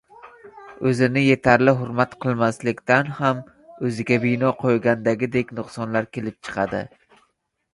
O‘zini yetarli hurmat qilmaslikdan ham o‘ziga bino qo‘ygandagidek nuqsonlar kelib chiqadi.